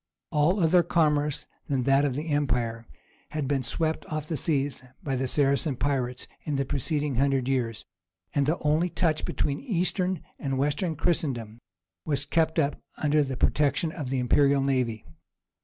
All other commerce than that of the empire had been swept off the seas by the Saracen pirates in the preceding hundred years, and the only touch between Eastern and Western Christendom was kept up under the protection of the imperial navy.